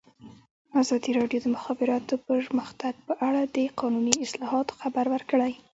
ازادي راډیو د د مخابراتو پرمختګ په اړه د قانوني اصلاحاتو خبر ورکړی.